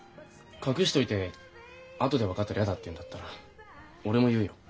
隠しといてあとで分かったら嫌だって言うんだったら俺も言うよ。